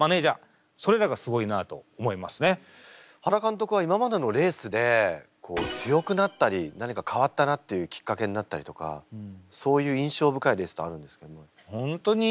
原監督は今までのレースでこう強くなったり何か変わったなっていうきっかけになったりとかそういう印象深いレースってあるんですか今まで。